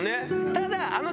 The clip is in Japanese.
ただ。